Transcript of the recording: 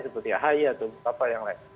seperti yahaya atau berapa yang lain